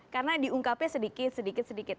karena diungkapnya sedikit sedikit sedikit